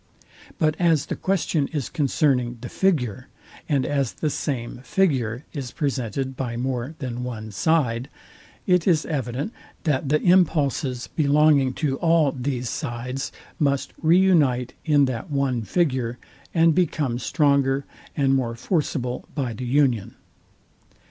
But as the question is concerning the figure, and as the same figure is presented by more than one side: it is evident, that the impulses belonging to all these sides must re unite in that one figure, and become stronger and more forcible by the union.